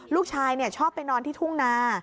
ลูกชายชอบไปนอนที่ทุ่งนา